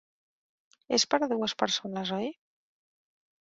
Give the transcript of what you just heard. És per a dues persones, oi?